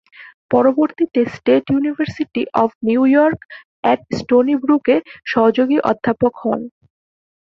পরবর্তীতে State University of New York at Stony Brook এ সহযোগী অধ্যাপক হন।